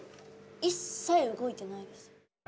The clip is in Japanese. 一切動いてないです。